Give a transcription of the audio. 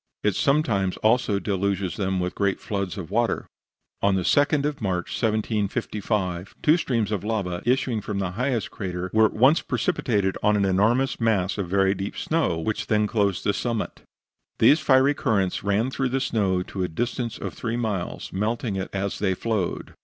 It sometimes also deluges them with great floods of water. On the 2d of March, 1755, two streams of lava, issuing from the highest crater, were at once precipitated on an enormous mass of very deep snow, which then clothed the summit. These fiery currents ran through the snow to a distance of three miles, melting it as they flowed.